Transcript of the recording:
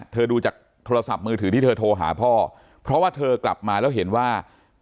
ดูจากโทรศัพท์มือถือที่เธอโทรหาพ่อเพราะว่าเธอกลับมาแล้วเห็นว่า